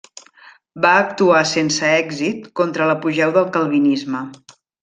Va actuar sense èxit contra l'apogeu del calvinisme.